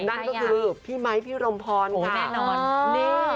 นั่นก็คือพี่ไมค์พี่รมพรค่ะ